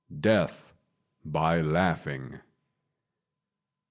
DEATH BY LAUGHING.